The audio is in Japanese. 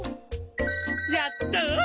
やったぁ！